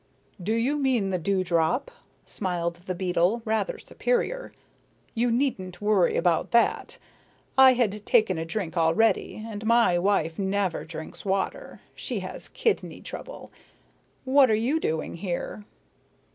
"Do you mean the dewdrop?" smiled the beetle, rather superior. "You needn't worry about that. I had taken a drink already and my wife never drinks water, she has kidney trouble. What are you doing here?"